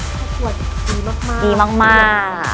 ครอบครัวดีมาก